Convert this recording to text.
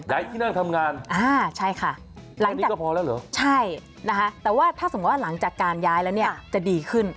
ย้ายที่นั่งทำงานอ้าวใช่ค่ะหลังจากใช่แต่ว่าถ้าสมมุติว่าหลังจากการย้ายแล้วเนี่ยจะดีขึ้น